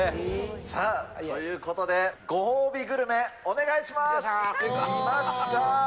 さあ、ということで、ご褒美グルメお願いします。来ました。